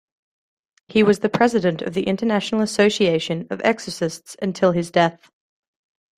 He was the president of the International Association of Exorcists until his death.